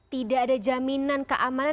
tidak ada jaminan keamanan bagi wni ya pak iza